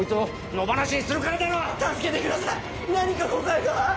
何か誤解が。